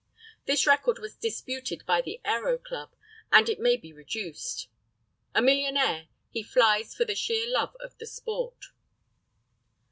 This record was disputed by the Aero Club, and it may be reduced. A millionaire, he flies for sheer love of the sport.